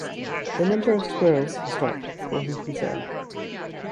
The number of squirrels has dropped causing concern.